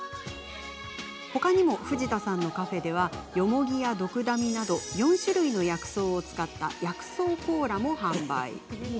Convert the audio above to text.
ほかにも藤田さんのカフェではヨモギやドクダミなど４種類の薬草を使った薬草コーラも販売。